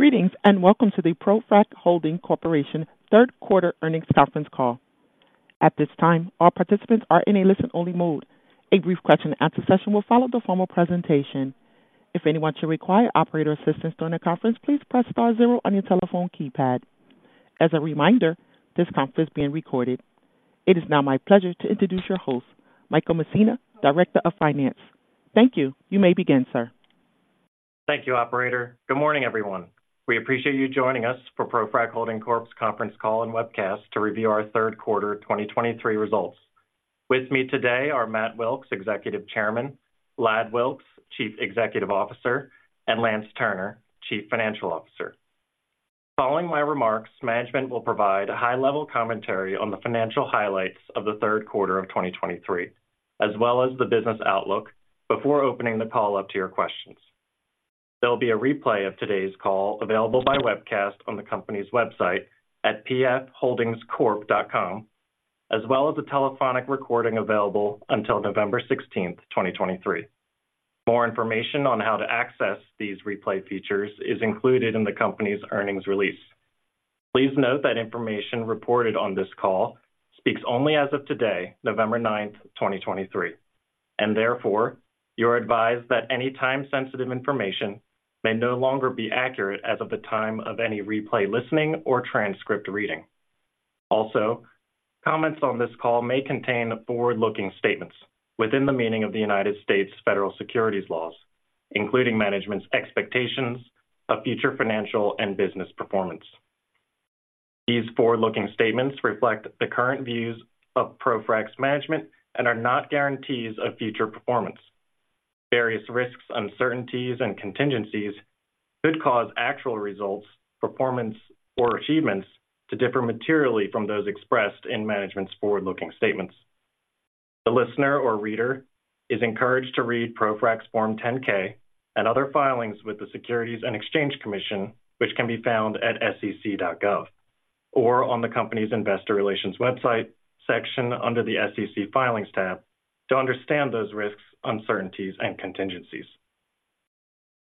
Greetings, and welcome to the ProFrac Holding Corporation third quarter earnings conference call. At this time, all participants are in a listen-only mode. A brief question-and-answer session will follow the formal presentation. If anyone should require operator assistance during the conference, please press star zero on your telephone keypad. As a reminder, this conference is being recorded. It is now my pleasure to introduce your host, Michael Messina, Director of Finance. Thank you. You may begin, sir. Thank you, operator. Good morning, everyone. We appreciate you joining us for ProFrac Holding Corp's conference call and webcast to review our third quarter 2023 results. With me today are Matt Wilks, Executive Chairman, Ladd Wilks, Chief Executive Officer, and Lance Turner, Chief Financial Officer. Following my remarks, management will provide a high-level commentary on the financial highlights of the third quarter of 2023, as well as the business outlook, before opening the call up to your questions. There will be a replay of today's call available by webcast on the company's website at pfholdingscorp.com, as well as a telephonic recording available until November 16, 2023. More information on how to access these replay features is included in the company's earnings release. Please note that information reported on this call speaks only as of today, November 9, 2023, and therefore, you are advised that any time-sensitive information may no longer be accurate as of the time of any replay listening or transcript reading. Also, comments on this call may contain forward-looking statements within the meaning of the United States federal securities laws, including management's expectations of future financial and business performance. These forward-looking statements reflect the current views of ProFrac's management and are not guarantees of future performance. Various risks, uncertainties, and contingencies could cause actual results, performance, or achievements to differ materially from those expressed in management's forward-looking statements. The listener or reader is encouraged to read ProFrac's Form 10-K and other filings with the Securities and Exchange Commission, which can be found at sec.gov or on the company's investor relations website section under the SEC Filings tab, to understand those risks, uncertainties and contingencies.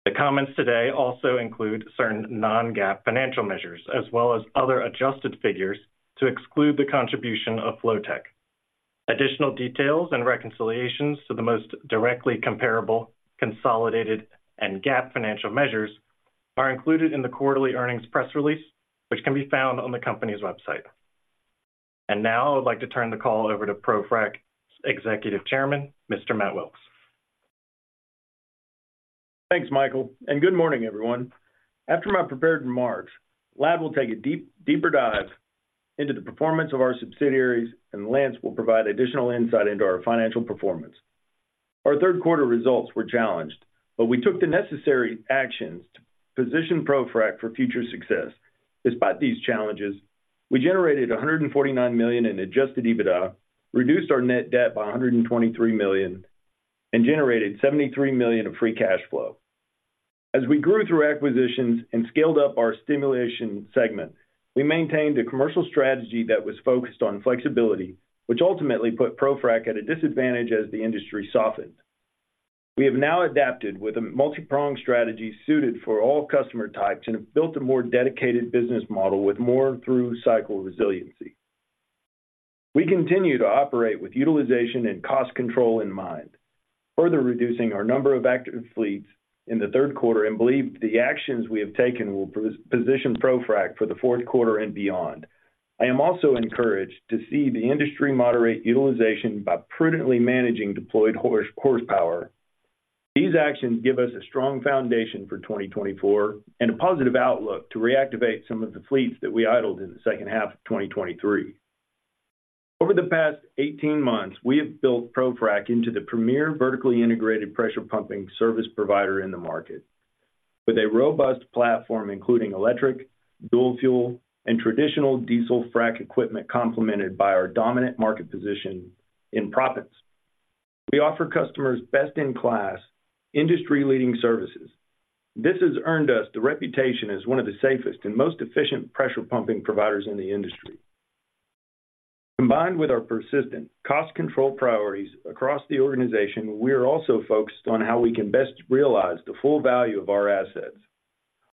The comments today also include certain non-GAAP financial measures, as well as other adjusted figures, to exclude the contribution of Flotek. Additional details and reconciliations to the most directly comparable, consolidated, and GAAP financial measures are included in the quarterly earnings press release, which can be found on the company's website. And now, I would like to turn the call over to ProFrac's Executive Chairman, Mr. Matt Wilks. Thanks, Michael, and good morning, everyone. After my prepared remarks, Ladd will take a deeper dive into the performance of our subsidiaries, and Lance will provide additional insight into our financial performance. Our third quarter results were challenged, but we took the necessary actions to position ProFrac for future success. Despite these challenges, we generated $149 million in Adjusted EBITDA, reduced our Net Debt by $123 million, and generated $73 million of Free Cash Flow. As we grew through acquisitions and scaled up our stimulation segment, we maintained a commercial strategy that was focused on flexibility, which ultimately put ProFrac at a disadvantage as the industry softened. We have now adapted with a multipronged strategy suited for all customer types and have built a more dedicated business model with more through-cycle resiliency. We continue to operate with utilization and cost control in mind, further reducing our number of active fleets in the third quarter, and believe the actions we have taken will position ProFrac for the fourth quarter and beyond. I am also encouraged to see the industry moderate utilization by prudently managing deployed horsepower. These actions give us a strong foundation for 2024 and a positive outlook to reactivate some of the fleets that we idled in the second half of 2023. Over the past 18 months, we have built ProFrac into the premier vertically integrated pressure pumping service provider in the market, with a robust platform, including electric, dual fuel, and traditional diesel frac equipment, complemented by our dominant market position in proppants. We offer customers best-in-class, industry-leading services. This has earned us the reputation as one of the safest and most efficient pressure pumping providers in the industry. Combined with our persistent cost control priorities across the organization, we are also focused on how we can best realize the full value of our assets.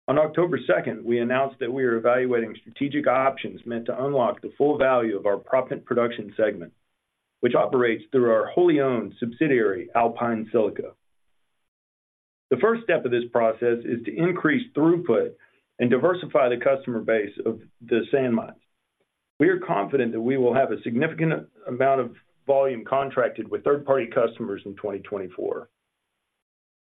On October 2, we announced that we are evaluating strategic options meant to unlock the full value of our proppant production segment, which operates through our wholly owned subsidiary, Alpine Silica. The first step of this process is to increase throughput and diversify the customer base of the sand mines. We are confident that we will have a significant amount of volume contracted with third-party customers in 2024.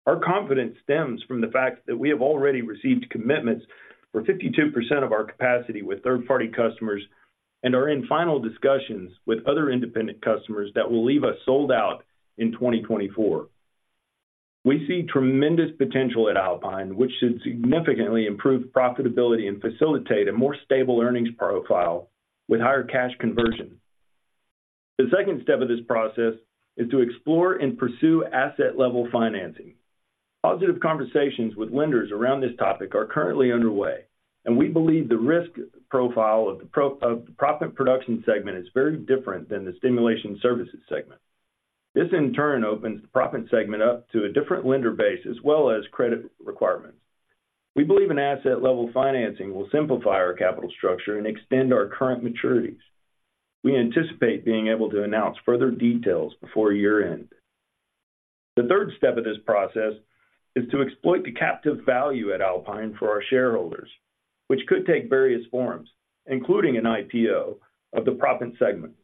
Our confidence stems from the fact that we have already received commitments for 52% of our capacity with third-party customers and are in final discussions with other independent customers that will leave us sold out in 2024. We see tremendous potential at Alpine, which should significantly improve profitability and facilitate a more stable earnings profile with higher cash conversion. The second step of this process is to explore and pursue asset-level financing. Positive conversations with lenders around this topic are currently underway, and we believe the risk profile of the proppant production segment is very different than the stimulation services segment. This in turn opens the proppant segment up to a different lender base as well as credit requirements. We believe an asset-level financing will simplify our capital structure and extend our current maturities. We anticipate being able to announce further details before year-end. The third step of this process is to exploit the captive value at Alpine for our shareholders, which could take various forms, including an IPO of the proppant segment.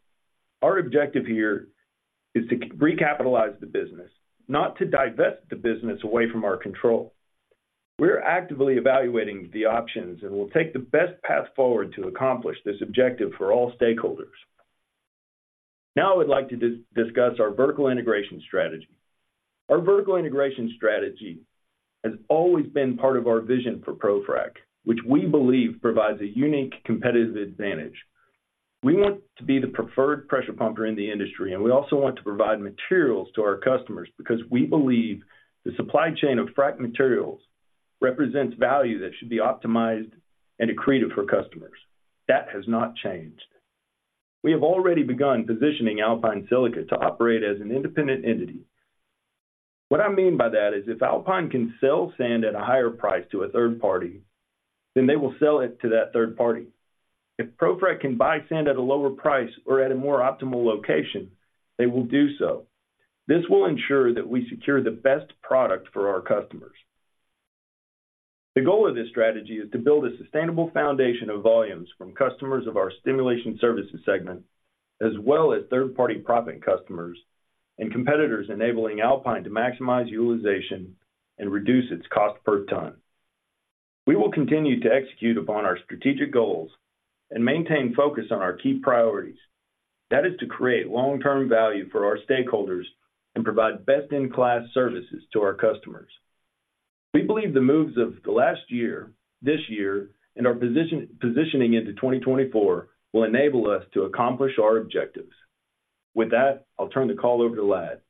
Our objective here is to recapitalize the business, not to divest the business away from our control. We're actively evaluating the options, and we'll take the best path forward to accomplish this objective for all stakeholders. Now, I would like to discuss our vertical integration strategy. Our vertical integration strategy has always been part of our vision for ProFrac, which we believe provides a unique competitive advantage. We want to be the preferred pressure pumper in the industry, and we also want to provide materials to our customers, because we believe the supply chain of frac materials represents value that should be optimized and accretive for customers. That has not changed. We have already begun positioning Alpine Silica to operate as an independent entity. What I mean by that is, if Alpine can sell sand at a higher price to a third party, then they will sell it to that third party. If ProFrac can buy sand at a lower price or at a more optimal location, they will do so. This will ensure that we secure the best product for our customers. The goal of this strategy is to build a sustainable foundation of volumes from customers of our Stimulation Services segment, as well as third-party proppant customers and competitors, enabling Alpine to maximize utilization and reduce its cost per ton. We will continue to execute upon our strategic goals and maintain focus on our key priorities. That is to create long-term value for our stakeholders and provide best-in-class services to our customers. We believe the moves of the last year, this year, and our positioning into 2024 will enable us to accomplish our objectives. With that, I'll turn the call over to Ladd.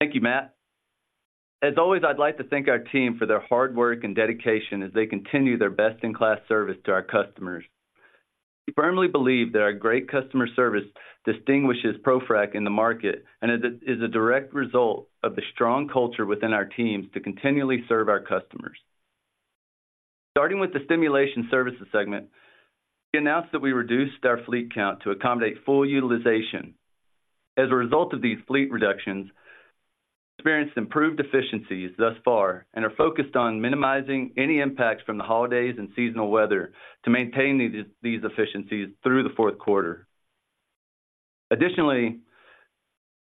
Thank you, Matt. As always, I'd like to thank our team for their hard work and dedication as they continue their best-in-class service to our customers. We firmly believe that our great customer service distinguishes ProFrac in the market, and it is a direct result of the strong culture within our teams to continually serve our customers. Starting with the Stimulation Services segment, we announced that we reduced our fleet count to accommodate full utilization. As a result of these fleet reductions, experienced improved efficiencies thus far and are focused on minimizing any impacts from the holidays and seasonal weather to maintain these efficiencies through the fourth quarter. Additionally,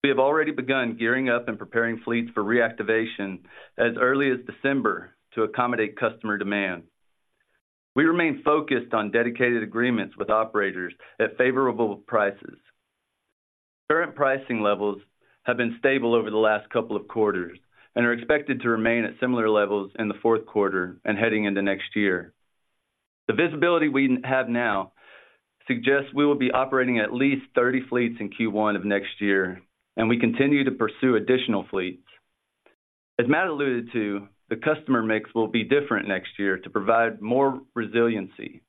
we have already begun gearing up and preparing fleets for reactivation as early as December to accommodate customer demand. We remain focused on dedicated agreements with operators at favorable prices. Current pricing levels have been stable over the last couple of quarters and are expected to remain at similar levels in the fourth quarter and heading into next year. The visibility we have now suggests we will be operating at least 30 fleets in Q1 of next year, and we continue to pursue additional fleets. As Matt alluded to, the customer mix will be different next year to provide more resiliency.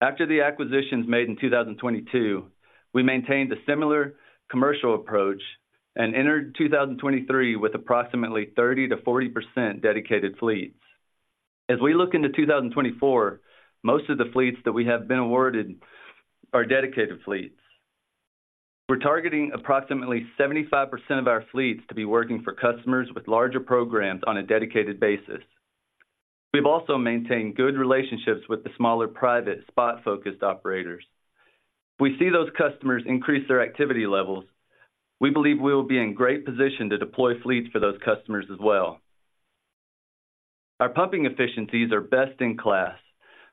After the acquisitions made in 2022, we maintained a similar commercial approach and entered 2023 with approximately 30%-40% dedicated fleets. As we look into 2024, most of the fleets that we have been awarded are dedicated fleets. We're targeting approximately 75% of our fleets to be working for customers with larger programs on a dedicated basis. We've also maintained good relationships with the smaller, private, spot-focused operators. We see those customers increase their activity levels. We believe we will be in great position to deploy fleets for those customers as well. Our pumping efficiencies are best-in-class.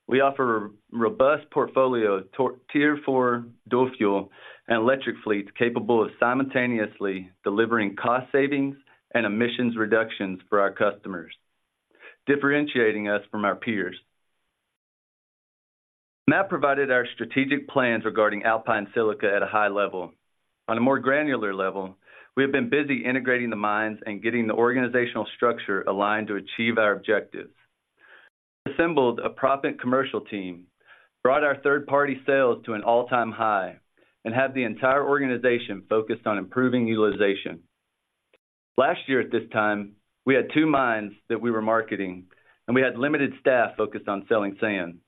We offer a robust portfolio of Tier 4 dual fuel and electric fleets, capable of simultaneously delivering cost savings and emissions reductions for our customers, differentiating us from our peers. Matt provided our strategic plans regarding Alpine Silica at a high level. On a more granular level, we have been busy integrating the mines and getting the organizational structure aligned to achieve our objectives. We assembled a proppant commercial team, brought our third-party sales to an all-time high and have the entire organization focused on improving utilization. Last year, at this time, we had two mines that we were marketing, and we had limited staff focused on selling sand.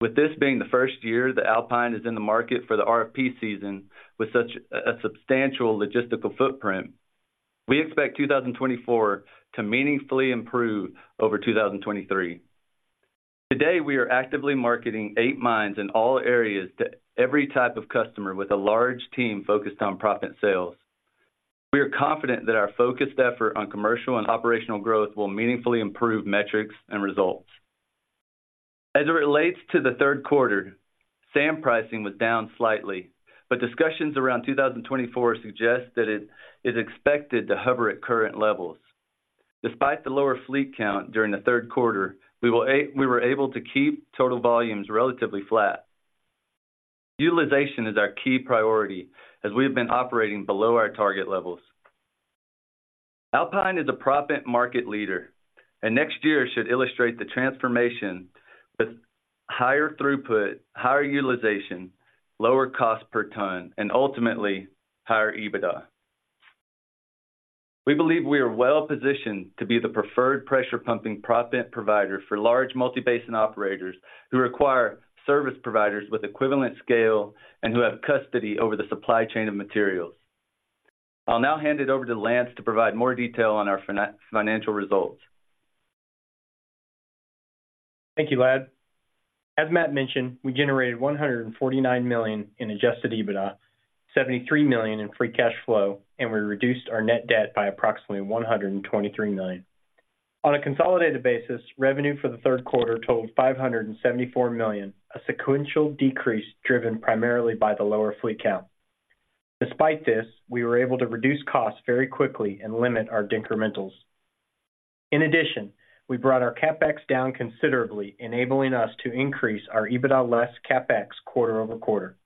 With this being the first year that Alpine is in the market for the RFP season with such a substantial logistical footprint, we expect 2024 to meaningfully improve over 2023. Today, we are actively marketing eight mines in all areas to every type of customer with a large team focused on proppant sales. We are confident that our focused effort on commercial and operational growth will meaningfully improve metrics and results. As it relates to the third quarter, sand pricing was down slightly, but discussions around 2024 suggest that it is expected to hover at current levels. Despite the lower fleet count during the third quarter, we were able to keep total volumes relatively flat. Utilization is our key priority as we have been operating below our target levels. Alpine is a proppant market leader, and next year should illustrate the transformation with higher throughput, higher utilization, lower cost per ton, and ultimately, higher EBITDA. We believe we are well-positioned to be the preferred pressure pumping proppant provider for large multi-basin operators who require service providers with equivalent scale and who have custody over the supply chain of materials. I'll now hand it over to Lance to provide more detail on our financial results. Thank you, Ladd. As Matt mentioned, we generated $149 million in adjusted EBITDA, $73 million in free cash flow, and we reduced our net debt by approximately $123 million. On a consolidated basis, revenue for the third quarter totaled $574 million, a sequential decrease driven primarily by the lower fleet count. Despite this, we were able to reduce costs very quickly and limit our decrementals. In addition, we brought our CapEx down considerably, enabling us to increase our EBITDA less CapEx quarter-over-quarter.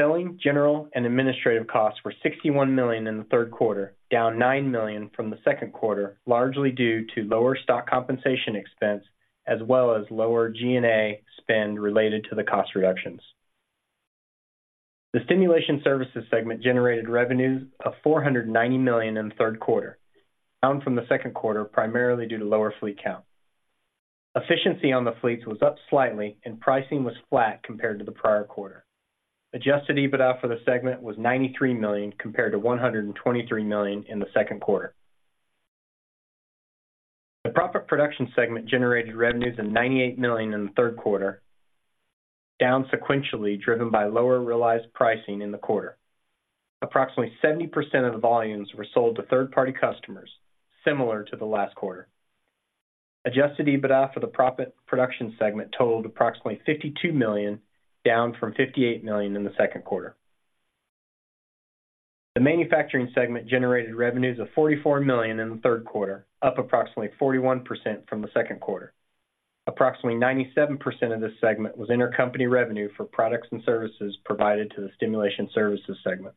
Selling, general, and administrative costs were $61 million in the third quarter, down $9 million from the second quarter, largely due to lower stock compensation expense, as well as lower G&A spend related to the cost reductions. The Stimulation Services segment generated revenues of $490 million in the third quarter, down from the second quarter, primarily due to lower fleet count. Efficiency on the fleets was up slightly and pricing was flat compared to the prior quarter. Adjusted EBITDA for the segment was $93 million compared to $123 million in the second quarter. The Proppant Production segment generated revenues of $98 million in the third quarter, down sequentially, driven by lower realized pricing in the quarter. Approximately 70% of the volumes were sold to third-party customers, similar to the last quarter. Adjusted EBITDA for the Proppant Production segment totaled approximately $52 million, down from $58 million in the second quarter. The Manufacturing segment generated revenues of $44 million in the third quarter, up approximately 41% from the second quarter. Approximately 97% of this segment was intercompany revenue for products and services provided to the Stimulation Services segment.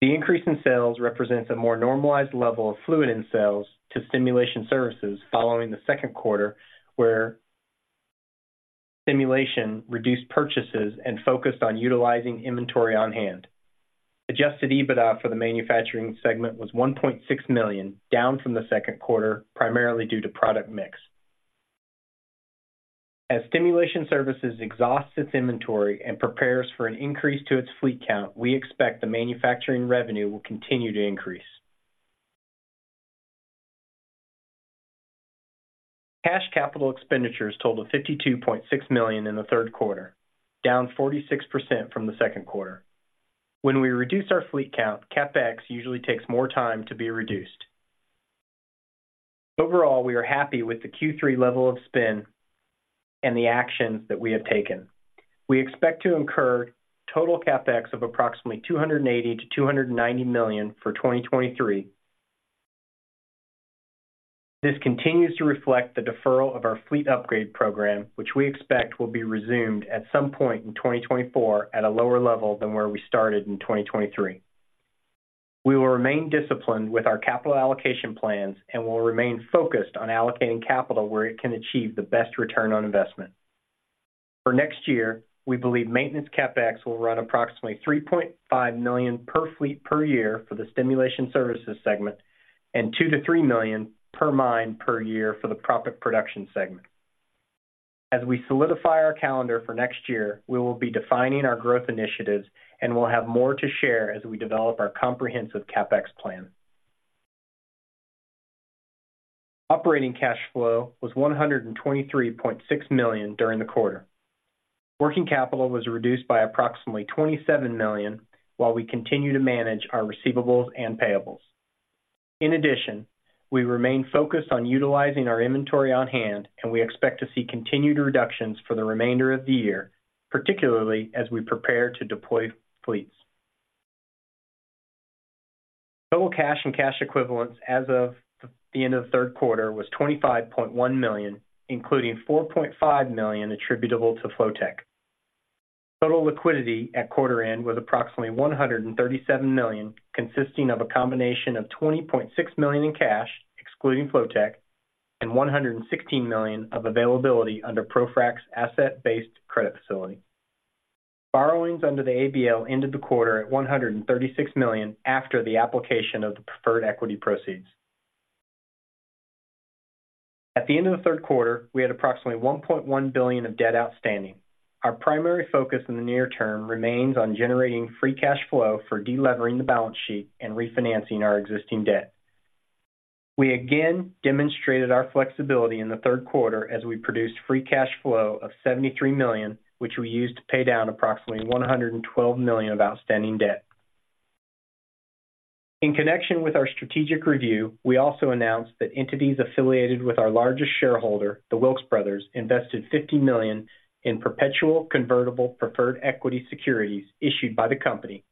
The increase in sales represents a more normalized level of fluid in sales to Stimulation Services following the second quarter, where Stimulation reduced purchases and focused on utilizing inventory on hand. Adjusted EBITDA for the Manufacturing segment was $1.6 million, down from the second quarter, primarily due to product mix. As Stimulation Services exhausts its inventory and prepares for an increase to its fleet count, we expect the manufacturing revenue will continue to increase. Cash capital expenditures totaled $52.6 million in the third quarter, down 46% from the second quarter. When we reduce our fleet count, CapEx usually takes more time to be reduced. Overall, we are happy with the Q3 level of spend and the actions that we have taken. We expect to incur total CapEx of approximately $280 million-$290 million for 2023. This continues to reflect the deferral of our fleet upgrade program, which we expect will be resumed at some point in 2024 at a lower level than where we started in 2023. We will remain disciplined with our capital allocation plans and will remain focused on allocating capital where it can achieve the best return on investment. For next year, we believe maintenance CapEx will run approximately $3.5 million per fleet per year for the Stimulation Services segment, and $2 million-$3 million per mine per year for the Proppant Production segment. As we solidify our calendar for next year, we will be defining our growth initiatives, and we'll have more to share as we develop our comprehensive CapEx plan. Operating cash flow was $123.6 million during the quarter. Working capital was reduced by approximately $27 million, while we continue to manage our receivables and payables. In addition, we remain focused on utilizing our inventory on hand, and we expect to see continued reductions for the remainder of the year, particularly as we prepare to deploy fleets. Total cash and cash equivalents as of the end of the third quarter was $25.1 million, including $4.5 million attributable to Flotek. Total liquidity at quarter end was approximately $137 million, consisting of a combination of $20.6 million in cash, excluding Flotek, and $116 million of availability under ProFrac's asset-based credit facility. Borrowings under the ABL ended the quarter at $136 million after the application of the preferred equity proceeds. At the end of the third quarter, we had approximately $1.1 billion of debt outstanding. Our primary focus in the near term remains on generating free cash flow for delevering the balance sheet and refinancing our existing debt. We again demonstrated our flexibility in the third quarter as we produced free cash flow of $73 million, which we used to pay down approximately $112 million of outstanding debt. In connection with our strategic review, we also announced that entities affiliated with our largest shareholder, the Wilks Brothers, invested $50 million in perpetual convertible preferred equity securities issued by the company,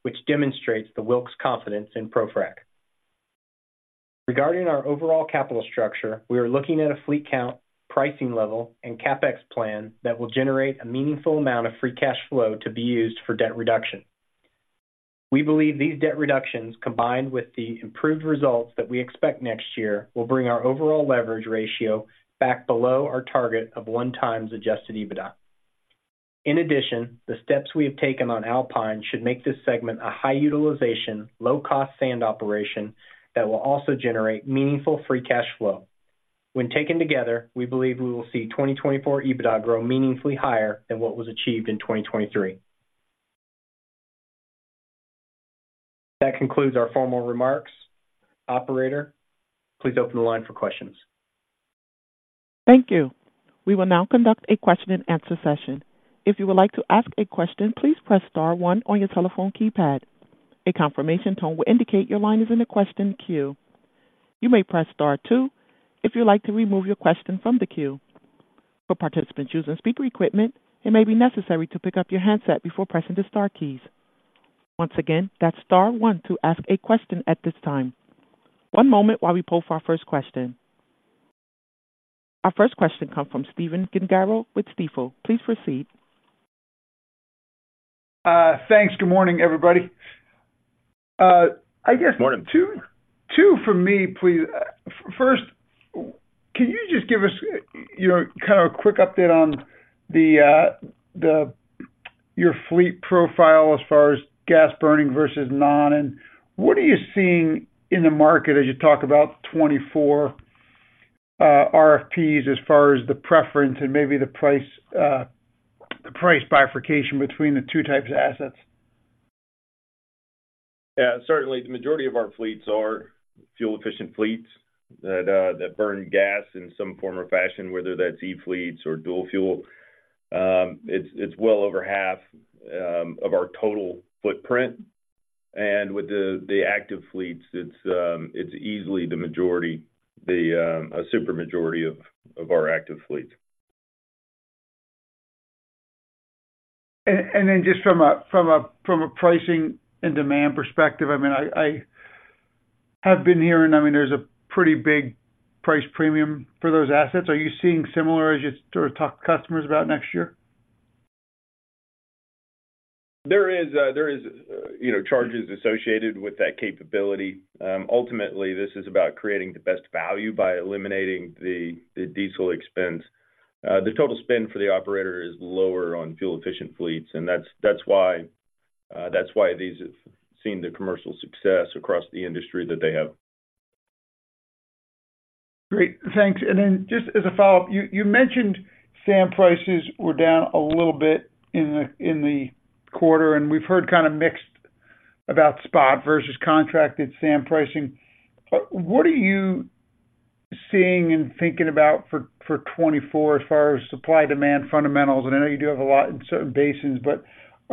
which demonstrates the Wilks' confidence in ProFrac. ...Regarding our overall capital structure, we are looking at a fleet count, pricing level, and CapEx plan that will generate a meaningful amount of free cash flow to be used for debt reduction. We believe these debt reductions, combined with the improved results that we expect next year, will bring our overall leverage ratio back below our target of 1x adjusted EBITDA. In addition, the steps we have taken on Alpine should make this segment a high-utilization, low-cost sand operation that will also generate meaningful free cash flow. When taken together, we believe we will see 2024 EBITDA grow meaningfully higher than what was achieved in 2023. That concludes our formal remarks. Operator, please open the line for questions. Thank you. We will now conduct a question-and-answer session. If you would like to ask a question, please press star one on your telephone keypad. A confirmation tone will indicate your line is in the question queue. You may press star two if you'd like to remove your question from the queue. For participants using speaker equipment, it may be necessary to pick up your handset before pressing the star keys. Once again, that's star one to ask a question at this time. One moment while we poll for our first question. Our first question comes from Steven Gengaro with Stifel. Please proceed. Thanks. Good morning, everybody. I guess- Good morning... 2, 2 for me, please. First, can you just give us your kind of a quick update on the, the, your fleet profile as far as gas burning versus non? And what are you seeing in the market as you talk about 2024 RFPs as far as the preference and maybe the price, the price bifurcation between the two types of assets? Yeah, certainly, the majority of our fleets are fuel-efficient fleets that that burn gas in some form or fashion, whether that's E-fleets or Dual Fuel. It's it's well over half of our total footprint. And with the the active fleets, it's it's easily the majority, the a super majority of of our active fleets. And then just from a pricing and demand perspective, I mean, I have been hearing, I mean, there's a pretty big price premium for those assets. Are you seeing similar as you sort of talk to customers about next year? There is, there is, you know, charges associated with that capability. Ultimately, this is about creating the best value by eliminating the diesel expense. The total spend for the operator is lower on fuel efficient fleets, and that's, that's why, that's why these have seen the commercial success across the industry that they have. Great. Thanks. And then just as a follow-up, you mentioned sand prices were down a little bit in the quarter, and we've heard kind of mixed about spot versus contracted sand pricing. But what are you seeing and thinking about for 2024 as far as supply-demand fundamentals? I know you do have a lot in certain basins, but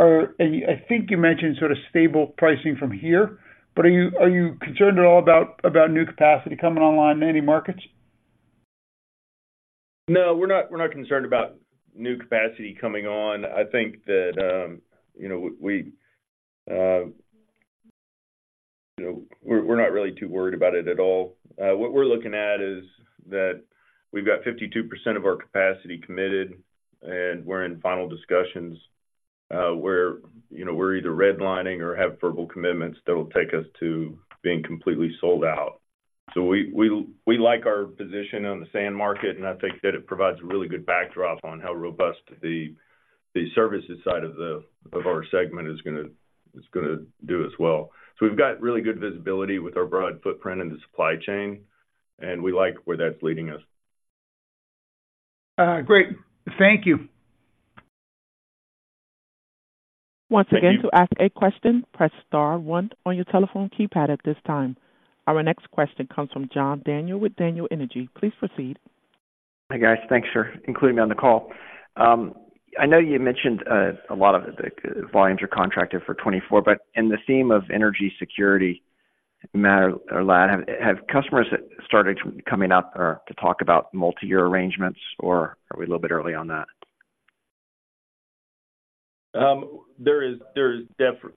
I think you mentioned sort of stable pricing from here, but are you concerned at all about new capacity coming online in any markets? No, we're not, we're not concerned about new capacity coming on. I think that, you know, we, you know, we're, we're not really too worried about it at all. What we're looking at is that we've got 52% of our capacity committed, and we're in final discussions, where, you know, we're either redlining or have verbal commitments that will take us to being completely sold out. So we, we, we like our position on the sand market, and I think that it provides a really good backdrop on how robust the, the services side of the, of our segment is gonna, is gonna do as well. So we've got really good visibility with our broad footprint in the supply chain, and we like where that's leading us. Great. Thank you. Once again, to ask a question, press star one on your telephone keypad at this time. Our next question comes from John Daniel with Daniel Energy. Please proceed. Hi, guys. Thanks for including me on the call. I know you mentioned a lot of the volumes are contracted for 2024, but in the theme of energy security matter a lot, have customers started coming up or to talk about multi-year arrangements, or are we a little bit early on that? There is, there's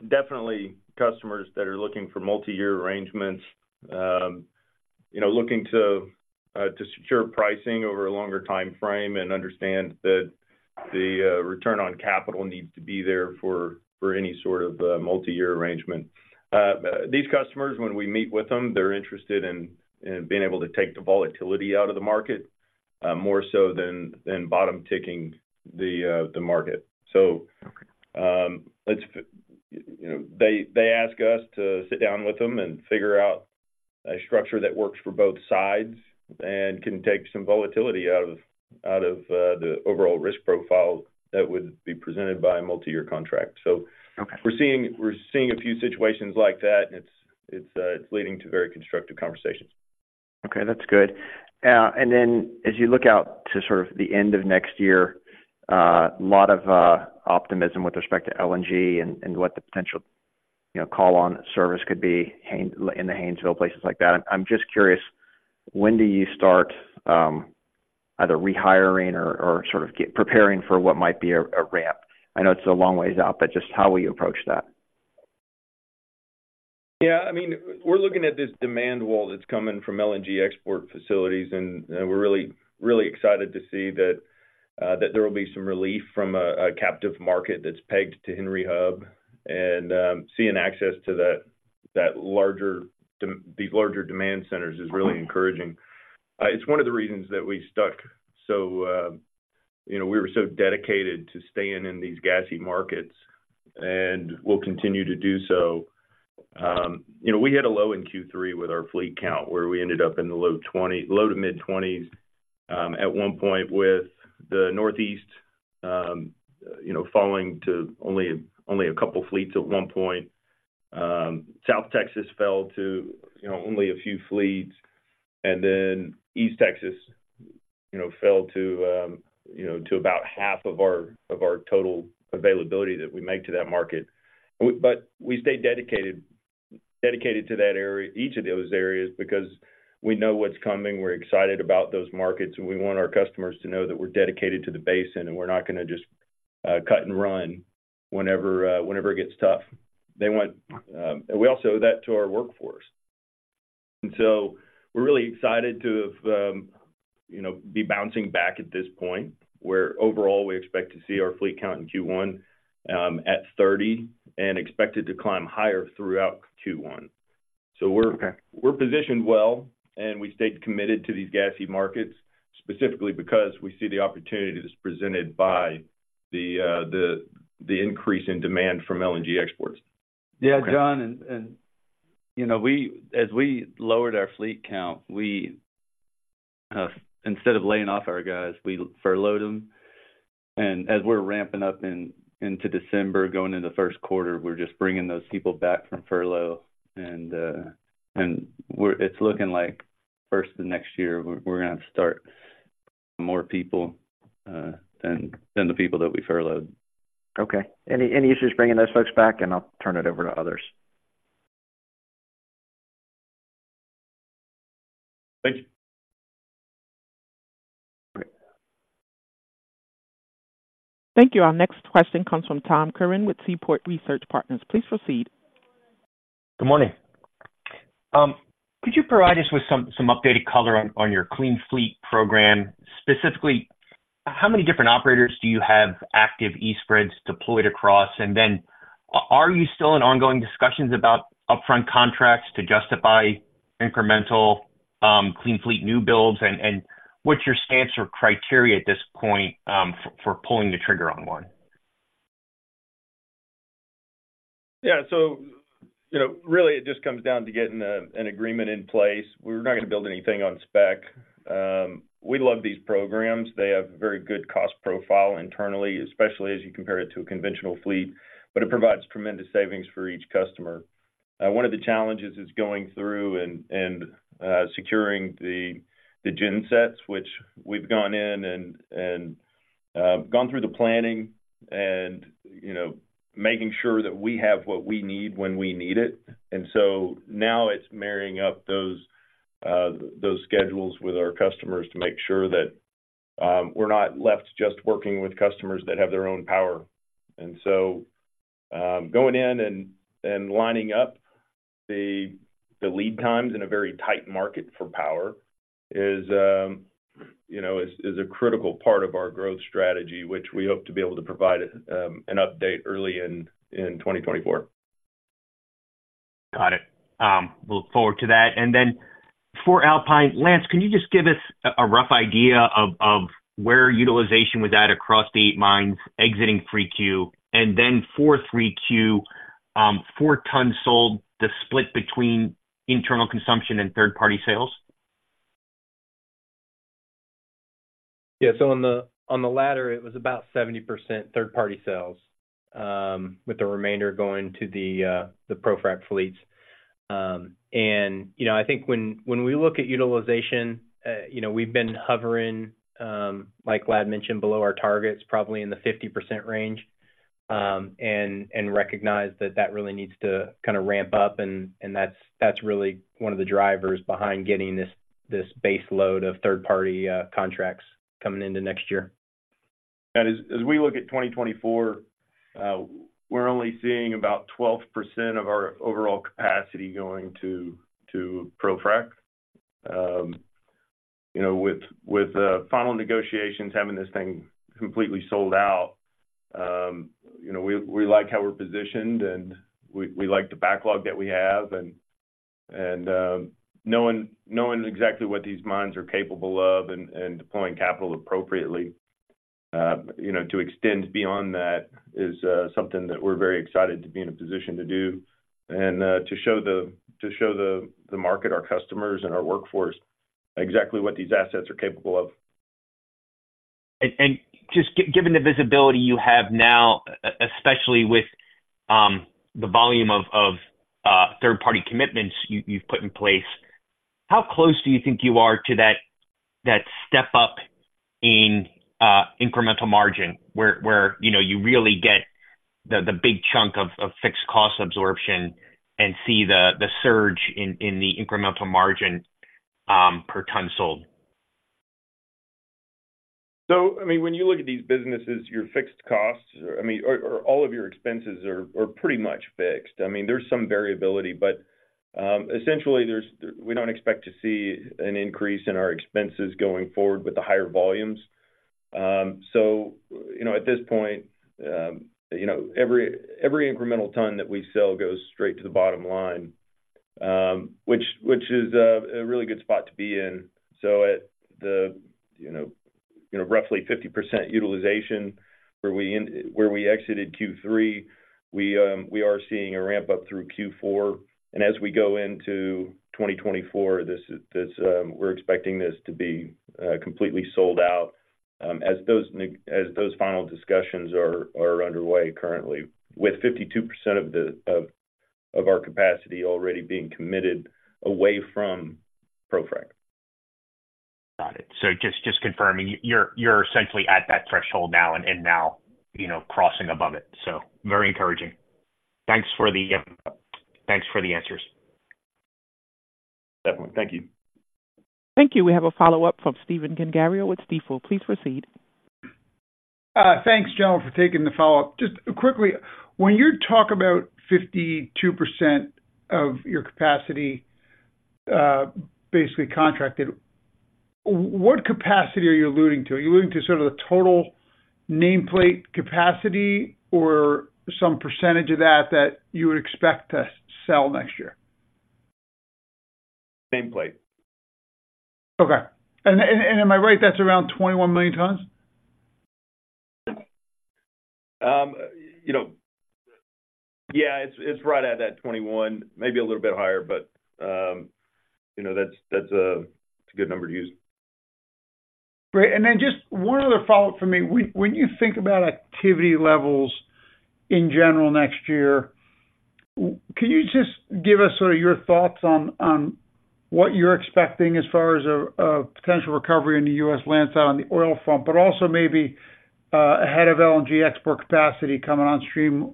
definitely customers that are looking for multi-year arrangements, you know, looking to, to secure pricing over a longer timeframe and understand that the, return on capital needs to be there for, for any sort of, multi-year arrangement. These customers, when we meet with them, they're interested in, in being able to take the volatility out of the market, more so than, than bottom-ticking the, the market. Okay. So, it's, you know, they ask us to sit down with them and figure out a structure that works for both sides and can take some volatility out of the overall risk profile that would be presented by a multi-year contract. Okay. So we're seeing, we're seeing a few situations like that, and it's, it's leading to very constructive conversations. Okay, that's good. And then as you look out to sort of the end of next year, a lot of optimism with respect to LNG and what the potential, you know, call on service could be in Haynesville, places like that. I'm just curious... When do you start, either rehiring or sort of get preparing for what might be a ramp? I know it's a long ways out, but just how will you approach that? Yeah, I mean, we're looking at this demand wall that's coming from LNG export facilities, and we're really, really excited to see that that there will be some relief from a captive market that's pegged to Henry Hub. And seeing access to these larger demand centers is really encouraging. It's one of the reasons that we stuck. So, you know, we were so dedicated to staying in these gassy markets, and we'll continue to do so. You know, we hit a low in Q3 with our fleet count, where we ended up in the low to mid-20s at one point with the Northeast, you know, falling to only a couple fleets at one point. South Texas fell to, you know, only a few fleets, and then East Texas, you know, fell to, you know, to about half of our, of our total availability that we make to that market. But we stayed dedicated, dedicated to that area—each of those areas, because we know what's coming, we're excited about those markets, and we want our customers to know that we're dedicated to the basin, and we're not gonna just, cut and run whenever, whenever it gets tough. They want—and we also owe that to our workforce. And so we're really excited to have, you know, be bouncing back at this point, where overall, we expect to see our fleet count in Q1 at 30, and expected to climb higher throughout Q1. So we're- Okay. We're positioned well, and we stayed committed to these gassy markets, specifically because we see the opportunity that's presented by the increase in demand from LNG exports. Yeah, John, and you know, as we lowered our fleet count, we instead of laying off our guys, we furloughed them. And as we're ramping up into December, going into the first quarter, we're just bringing those people back from furlough, and we're, it's looking like first of the next year, we're gonna have to start more people than the people that we furloughed. Okay. Any issues bringing those folks back? And I'll turn it over to others. Thank you. Okay. Thank you. Our next question comes from Tom Curran with Seaport Research Partners. Please proceed. Good morning. Could you provide us with some updated color on your Clean Fleet program? Specifically, how many different operators do you have active e-spreads deployed across? And then, are you still in ongoing discussions about upfront contracts to justify incremental Clean Fleet new builds? And, what's your stance or criteria at this point, for pulling the trigger on one? Yeah. So, you know, really, it just comes down to getting an agreement in place. We're not gonna build anything on spec. We love these programs. They have very good cost profile internally, especially as you compare it to a conventional fleet, but it provides tremendous savings for each customer. One of the challenges is going through and securing the gen sets, which we've gone in and gone through the planning and, you know, making sure that we have what we need when we need it. And so now it's marrying up those schedules with our customers to make sure that we're not left just working with customers that have their own power. So, going in and lining up the lead times in a very tight market for power is, you know, a critical part of our growth strategy, which we hope to be able to provide an update early in 2024. Got it. Look forward to that. Then for Alpine, Lance, can you just give us a rough idea of where utilization was at across the 8 mines exiting 3Q, and then for 3Q, for tons sold, the split between internal consumption and third-party sales? Yeah. So on the, on the latter, it was about 70% third-party sales, with the remainder going to the, the ProFrac fleets. And, you know, I think when, when we look at utilization, you know, we've been hovering, like Ladd mentioned, below our targets, probably in the 50% range. And recognize that that really needs to kind of ramp up, and that's really one of the drivers behind getting this base load of third-party contracts coming into next year. As we look at 2024, we're only seeing about 12% of our overall capacity going to ProFrac. You know, with final negotiations having this thing completely sold out, you know, we like how we're positioned, and we like the backlog that we have. And knowing exactly what these mines are capable of and deploying capital appropriately, you know, to extend beyond that is something that we're very excited to be in a position to do, and to show the market, our customers, and our workforce exactly what these assets are capable of. Given the visibility you have now, especially with the volume of third-party commitments you've put in place, how close do you think you are to that step up in incremental margin where you know you really get the big chunk of fixed cost absorption and see the surge in the incremental margin per ton sold? So, I mean, when you look at these businesses, your fixed costs, I mean, or all of your expenses are pretty much fixed. I mean, there's some variability, but, essentially, we don't expect to see an increase in our expenses going forward with the higher volumes. So, you know, at this point, you know, every incremental ton that we sell goes straight to the bottom line, which is a really good spot to be in. So at the, you know, you know, roughly 50% utilization where we exited Q3, we are seeing a ramp-up through Q4. As we go into 2024, we're expecting this to be completely sold out, as those final discussions are underway currently, with 52% of our capacity already being committed away from ProFrac. Got it. So just confirming, you're essentially at that threshold now and now, you know, crossing above it. So very encouraging. Thanks for the answers. Definitely. Thank you. Thank you. We have a follow-up from Steven Gengaro with Stifel. Please proceed. Thanks, gentlemen, for taking the follow-up. Just quickly, when you talk about 52% of your capacity, basically contracted, what capacity are you alluding to? Are you alluding to sort of the total nameplate capacity or some percentage of that, that you would expect to sell next year? Nameplate. Okay. And am I right, that's around 21 million tons? You know, yeah, it's right at that 21, maybe a little bit higher, but, you know, that's a good number to use. Great. And then just one other follow-up for me. When you think about activity levels in general next year, can you just give us sort of your thoughts on what you're expecting as far as a potential recovery in the U.S. land side on the oil front, but also maybe ahead of LNG export capacity coming on stream,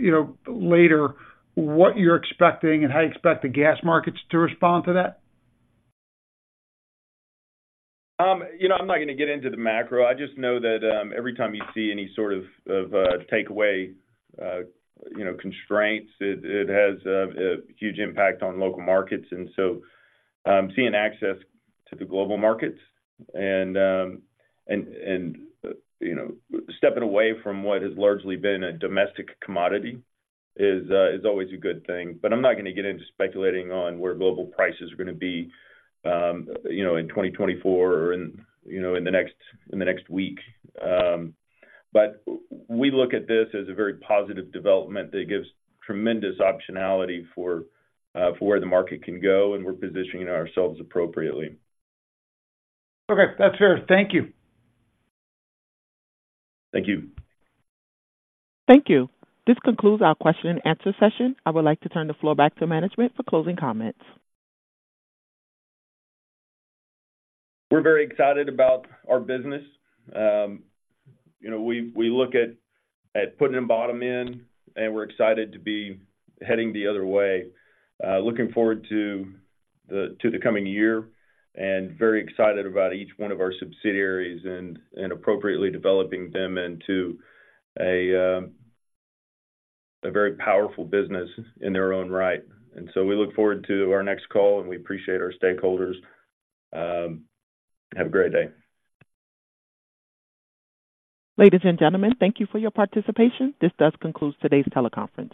you know, later, what you're expecting and how you expect the gas markets to respond to that? You know, I'm not gonna get into the macro. I just know that every time you see any sort of takeaway, you know, constraints, it has a huge impact on local markets. And so, seeing access to the global markets and, you know, stepping away from what has largely been a domestic commodity is always a good thing. But I'm not gonna get into speculating on where global prices are gonna be, you know, in 2024 or in the next week. But we look at this as a very positive development that gives tremendous optionality for where the market can go, and we're positioning ourselves appropriately. Okay. That's fair. Thank you. Thank you. Thank you. This concludes our question and answer session. I would like to turn the floor back to management for closing comments. We're very excited about our business. You know, we look at putting a bottom in, and we're excited to be heading the other way. Looking forward to the coming year, and very excited about each one of our subsidiaries and appropriately developing them into a very powerful business in their own right. So we look forward to our next call, and we appreciate our stakeholders. Have a great day. Ladies and gentlemen, thank you for your participation. This does conclude today's teleconference.